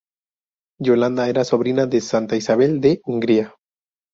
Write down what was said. Yolanda era sobrina de Santa Isabel de Hungría.